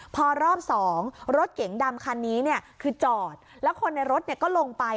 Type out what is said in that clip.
พอรอบสองรถเก๋งดำคันนี้เนี่ยคือจอดแล้วคนในรถก็ลงไป